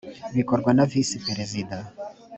bikorwa na visi perezida